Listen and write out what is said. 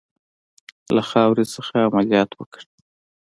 له خاورې څخه عملیات وکړي.